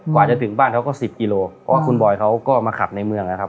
กว่าจะถึงบ้านเขาก็สิบกิโลเพราะว่าคุณบอยเขาก็มาขับในเมืองนะครับ